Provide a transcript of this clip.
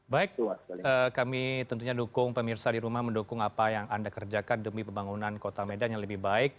baik kami tentunya dukung pemirsa di rumah mendukung apa yang anda kerjakan demi pembangunan kota medan yang lebih baik